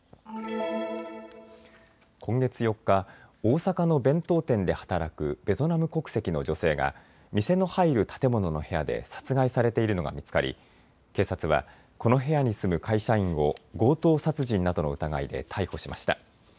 今月４日、大阪の弁当店で働くベトナム国籍の女性が店の入る建物の部屋で殺害されているのが見つかり警察はこの部屋に住む会社員を強盗殺人などの疑いで逮捕しました。